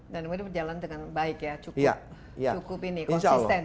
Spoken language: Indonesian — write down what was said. dan ini berjalan dengan baik ya cukup ini konsisten ya